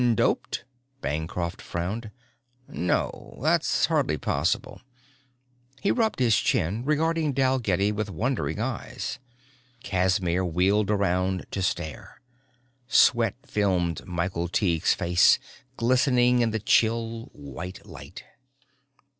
"Doped?" Bancroft frowned. "No, that's hardly possible." He rubbed his chin, regarding Dalgetty with wondering eyes. Casimir wheeled around to stare. Sweat filmed Michael Tighe's face, glistening in the chill white light.